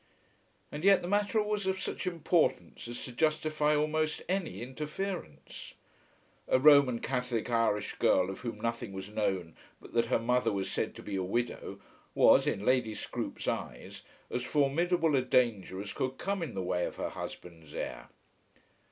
And yet the matter was of such importance as to justify almost any interference. A Roman Catholic Irish girl of whom nothing was known but that her mother was said to be a widow, was, in Lady Scroope's eyes, as formidable a danger as could come in the way of her husband's heir.